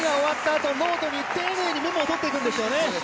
あとノートに丁寧にメモをとっていくんですよね。